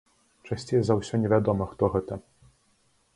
Часцей за ўсё невядома хто гэта.